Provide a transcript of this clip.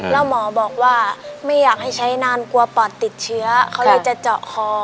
แล้วหมอบอกว่าไม่อยากให้ใช้นานกลัวปอดติดเชื้อเขาเลยจะเจาะคอ